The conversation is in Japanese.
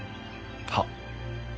はっ。